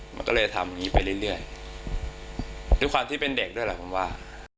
มันก็เลยทำอย่างงี้ไปเรื่อยด้วยความที่เป็นเด็กด้วยแหละผมว่า